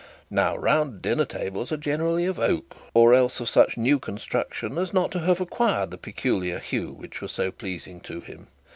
Now round dinner tables are generally of oak, or else of such new construction as not to have acquired the peculiar hue which was so pleasing to him.